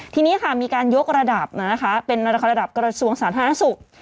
ทีนี้ค่ะมีการยกระดับนะคะเป็นระดับกระทรวงสาธารณสุข